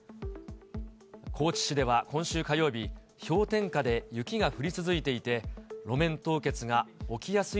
高知市では、今週火曜日、氷点下で雪が降り続いていて、路面凍結が起きやすい